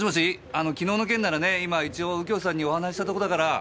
あの昨日の件ならね今一応右京さんにお話ししたとこだから。